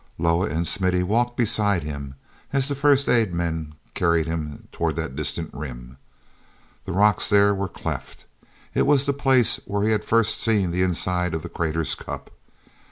Loah and Smithy walked beside him, as the first aid men carried him toward that distant rim. The rocks there were cleft—it was the place where he first had seen the inside of the crater's cup.